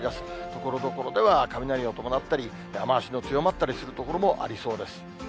ところどころでは雷を伴ったり、雨足の強まったりする所もありそうです。